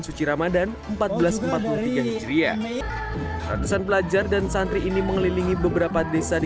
suci ramadhan seribu empat ratus empat puluh tiga hijriah ratusan pelajar dan santri ini mengelilingi beberapa desa di